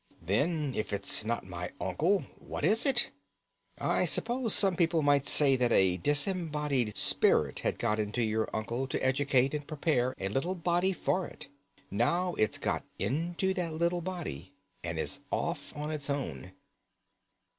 "Then if it's not my uncle, what is it?" "I suppose some people might say that a disembodied spirit had got your uncle to educate and prepare a little body for it. Now it's got into that little body and is off on its own."